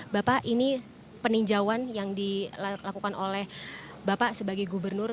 bapak ini peninjauan yang dilakukan oleh bapak sebagai gubernur